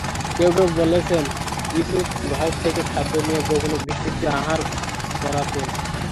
কেউ কেউ বলেছেনঃ ইউসুফ ঘর থেকে খাদ্য নিয়ে গোপনে ভিক্ষুকদেরকে আহার করাতেন।